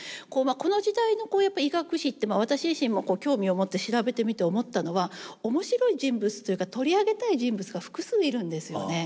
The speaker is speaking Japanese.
この時代のやっぱり医学史って私自身もこう興味を持って調べてみて思ったのは面白い人物というか取り上げたい人物が複数いるんですよね。